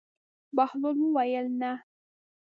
بهلول وویل: نه.